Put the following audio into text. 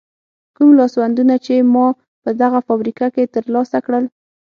کوم لاسوندونه چې ما په دغه فابریکه کې تر لاسه کړل.